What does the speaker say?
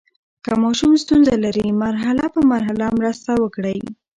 که ماشوم ستونزه لري، مرحله په مرحله مرسته وکړئ.